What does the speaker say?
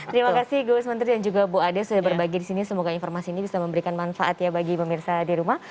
terima kasih gus menteri dan juga bu ade sudah berbagi di sini semoga informasi ini bisa memberikan manfaat ya bagi pemirsa di rumah